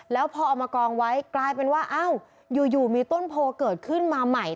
แล้วพอเอามากองไว้กลายเป็นว่าอ้าวอยู่มีต้นโพเกิดขึ้นมาใหม่